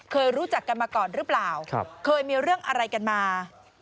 เคยรู้จักกันมาก่อนหรือเปล่าเคยมีเรื่องอะไรกันมา